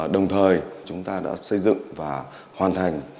đồng thời chúng ta đã xây dựng và hoàn thành